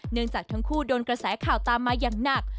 จากทั้งคู่โดนกระแสข่าวตามมาอย่างหนัก